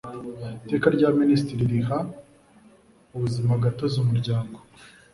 Iteka rya Minisitiri riha ubuzimagatozi Umuryango